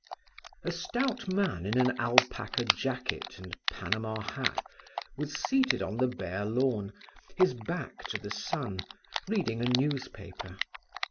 A stout man in an alpaca jacket and panama hat was seated on the bare lawn, his back to the sun, reading a newspaper.